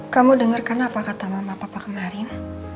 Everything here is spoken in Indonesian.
kamu denger kan apa kata mama papa kemarin